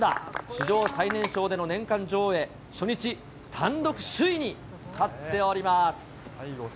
史上最年少での年間女王へ、初日単独首位に立っております。